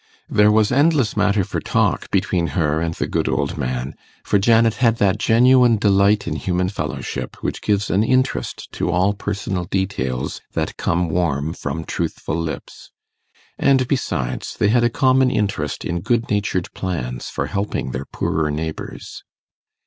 There was endless matter for talk between her and the good old man, for Janet had that genuine delight in human fellowship which gives an interest to all personal details that come warm from truthful lips; and, besides, they had a common interest in good natured plans for helping their poorer neighbours.